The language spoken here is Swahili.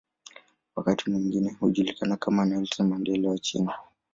Wakati mwingine hujulikana kama "Nelson Mandela wa China".